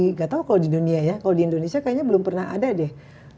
nggak tahu kalau di dunia ya kalau di indonesia kayaknya belum pernah ada deh